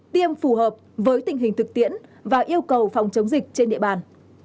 tiêm phù hợp với tình hình thực tiễn và yêu cầu phòng chống dịch trên địa bàn